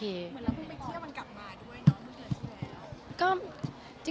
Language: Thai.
เหมือนแล้วพี่ไปเที่ยวมันกลับมาด้วยนะพี่เจอที่ไหน